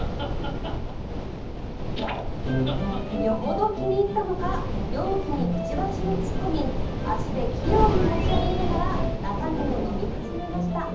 よほど気に入ったのか容器にくちばしを突っ込み足で器用に持ち上げながら中身を飲み始めました。